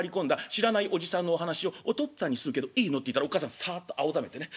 知らないおじさんのお話をお父っつぁんにするけどいいの？』って言ったらおっ母さんさっと青ざめてね